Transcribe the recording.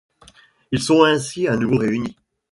Ils sont ainsi à nouveau réunis.